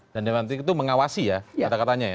dan dewan etik itu mengawasi ya kata katanya ya